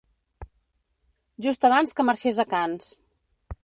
Just abans que marxés a Cannes.